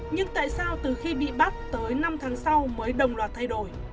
nhưng tại sao từ khi bị bắt tới năm tháng sau mới đồng loạt thay đổi